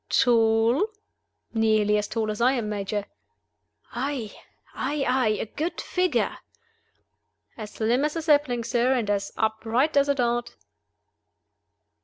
"Tall?" "Nearly as tall as I am, Major." "Aye? aye? aye? A good figure?" "As slim as a sapling, sir, and as upright as a dart."